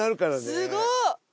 すごっ！